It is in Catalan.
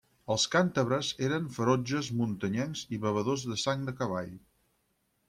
Els càntabres eren ferotges muntanyencs i bevedors de sang de cavall.